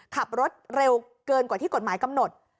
ขับรถเร็วเกินกว่าที่กฎหมายกำหนด